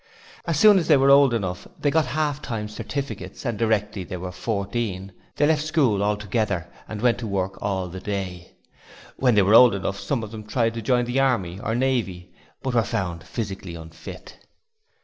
As soon as they were old enough they got Half Time certificates and directly they were fourteen they left school altogether and went to work all the day. When they were old enough some of them tried to join the Army or Navy, but were found physically unfit.